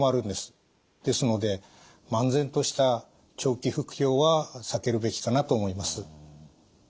ですので漫然とした長期服用は避けるべきかなと思います。